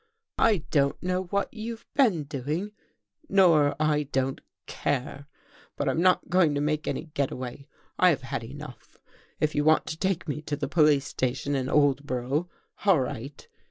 I don't know what you've been doing nor I don't care. But I'm not going to make any get away. I have had enough. If you want to take me to the police station in Oldborough, all right.